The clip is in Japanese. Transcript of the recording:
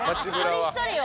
一人一人を。